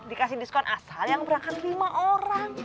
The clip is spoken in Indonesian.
dikasih diskon asal yang berangkat lima orang